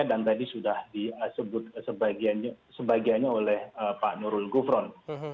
dan tadi sudah disebut sebagiannya oleh pak nurul gufron